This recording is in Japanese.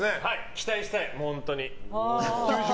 期待したい、本当に。